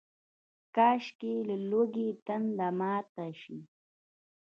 کاشکي، د لوږې تنده ماته شي